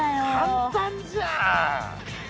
簡単じゃん。